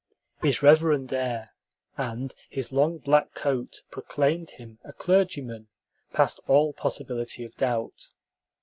His reverend air and his long black coat proclaimed him a clergyman past all possibility of doubt.